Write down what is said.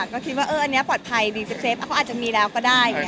ก็คิดว่าอันนี้ปลอดภัยดีเซฟเขาอาจจะมีแล้วก็ได้